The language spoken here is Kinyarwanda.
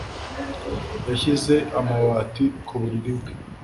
Yashyize amabati ku buriri bwe.